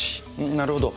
なるほど。